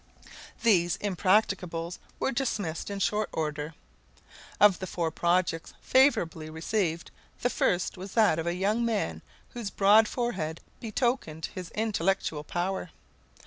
These impracticables were dismissed in short order. Of the four projects favorably received, the first was that of a young man whose broad forehead betokened his intellectual power.